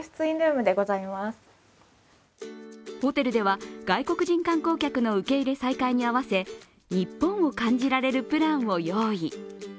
ホテルでは外国人観光客の受け入れ再開に合わせ日本を感じられるプランを用意。